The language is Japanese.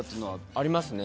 ありますね